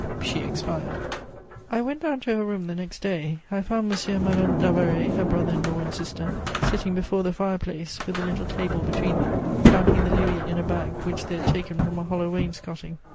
She expired. I went down to her room the next day; I found Monsieur and Madame d'Avaray, her brother in law and sister, sitting before the fire place, with a little table between them, counting the louis in a bag which they had taken from a hollow wainscoting.